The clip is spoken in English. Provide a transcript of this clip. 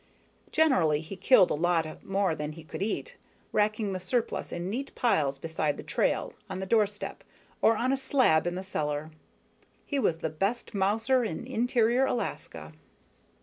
Generally he killed a lot more than he could eat, racking the surplus in neat piles beside the trail, on the doorstep, or on a slab in the cellar. He was the best mouser in interior Alaska.